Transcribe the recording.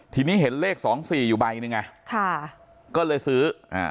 ทีนี้เห็นเลข๒๔อยู่ใบหนึ่งอะก็เลยซื้อ